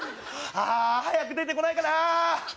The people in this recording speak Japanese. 早く出て来ないかなぁ。